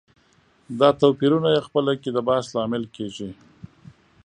دا توپيرونه یې خپله کې د بحث لامل کېږي.